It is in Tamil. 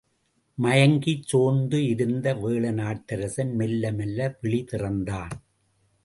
மயங்கிச் சோர்ந்து இருந்த வேழ நாட்டரசன் மெல்லமெல்ல விழி திறந்தான்.